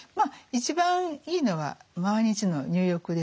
一番いいのは毎日の入浴ですよね。